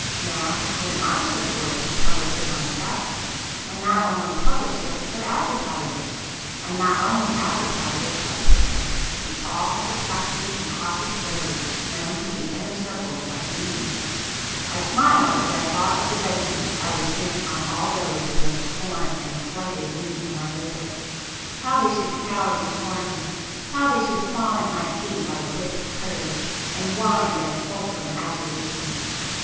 —now, when I could afford to publish it myself, and not only publish it but advertise it, and not only advertise it, but 'push' it, in all the crafty and cautious ways known to the inner circles of 'booming'! I smiled as I thought of the vengeance I would take on all those who had scorned and slighted me and my labour,—how they should cower before me!—how they should fawn at my feet like whipt curs, and whine their fulsome adulation!